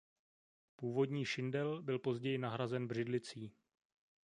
Původní šindel byl později nahrazen břidlicí.